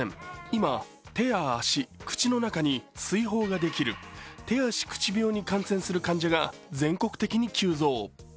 今、手や足、口の中に水ほうができる手足口病に感染する患者が全国的に急増。